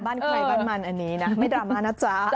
บ้านใครบ้านมันอันนี้นะไม่ดราม่านะจ๊ะ